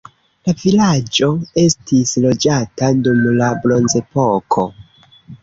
La vilaĝo estis loĝata dum la bronzepoko.